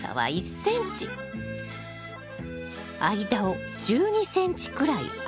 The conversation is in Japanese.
間を１２ｃｍくらい空けてね。